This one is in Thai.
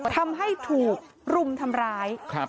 ทำให้ถูกรุมทำร้าย